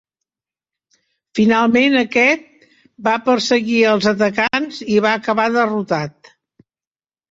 Finalment aquest va perseguir als atacants i va acabar derrotat.